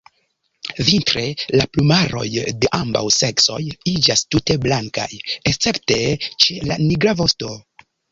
Vintre la plumaroj de ambaŭ seksoj iĝas tute blankaj, escepte ĉe la nigra vosto.